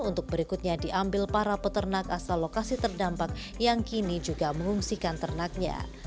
untuk berikutnya diambil para peternak asal lokasi terdampak yang kini juga mengungsikan ternaknya